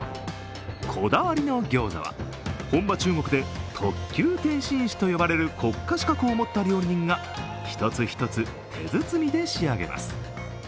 こだわりのギョーザは本場・中国で特級点心師と呼ばれる国家資格を持った料理人が一つ一つ手包みで仕上げます。